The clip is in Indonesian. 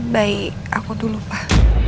bayi aku dulu pak